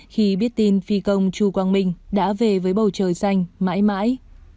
khi biết tin phi công chú quang minh đã về với bầu trời xanh mãi mãi